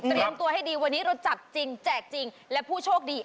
ตัวให้ดีวันนี้เราจับจริงแจกจริงและผู้โชคดี